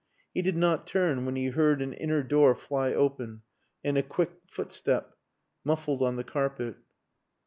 He did not turn when he heard an inner door fly open, and a quick footstep, muffled on the carpet.